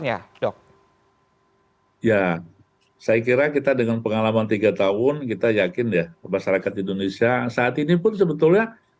ya dok ya saya kira kita dengan pengalaman tiga tahun kita yakin ya masyarakat indonesia saat ini pun sebetulnya